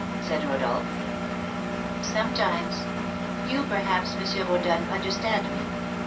said Rodolph. "Sometimes. You, perhaps, M. Rodolph, understand me.